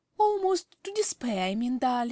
_) "Almost to despair," I mean, darling.